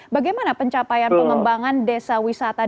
bagaimana pencapaian pengembangan desa wisata